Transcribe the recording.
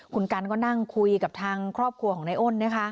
คุณกันก็นั่งคุยกับทางครอบครัวของนายอ้นนะคะ